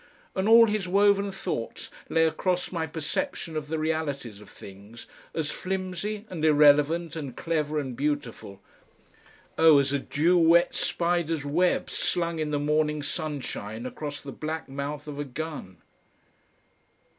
and all his woven thoughts lay across my perception of the realities of things, as flimsy and irrelevant and clever and beautiful, oh! as a dew wet spider's web slung in the morning sunshine across the black mouth of a gun....